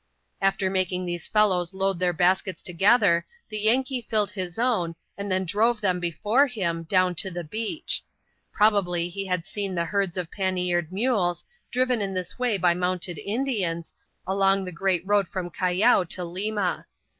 After making these fellows load their baskets together, the Yankee filled his own, and then drove them before him, down to the beach. Probably he had seen the herds of panniered mules, driven in this way by mounted Indians, along the great road from Callao to Lima.